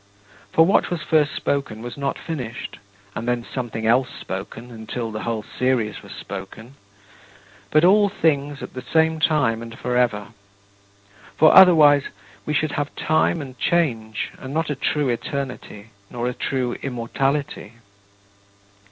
For what was first spoken was not finished, and then something else spoken until the whole series was spoken; but all things, at the same time and forever. For, otherwise, we should have time and change and not a true eternity, nor a true immortality.